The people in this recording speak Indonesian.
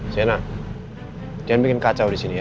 sienna jangan bikin kacau di sini ya